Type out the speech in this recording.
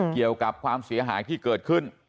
เกี่ยวกับความเสียหายที่เกิดขึ้น